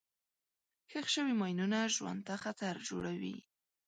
ښخ شوي ماینونه ژوند ته خطر جوړوي.